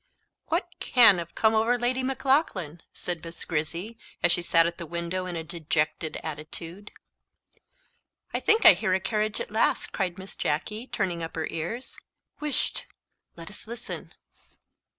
"WHAT can have come over Lady Maclaughlan?" said Miss Grizzy, as she sat at the window in a dejected attitude. "I think I hear a carriage at last," cried Miss Jacky, turning up her ears. "Wisht! let us listen."